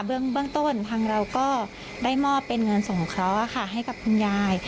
เบื้องต้นทางเราก็ได้มอบเป็นเงินสงเคราะห์ให้กับคุณยาย